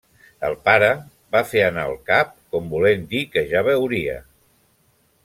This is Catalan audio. El pare va fer anar el cap com volent dir que ja veuria.